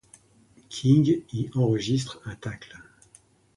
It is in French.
King y enregistre un tacle.